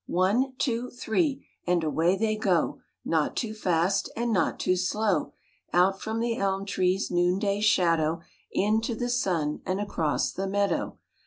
One Two Three ! And away they go, Not too fast, And not too slow; Out from the elm tree's Noonday shadow, Into the sun And across the meadow.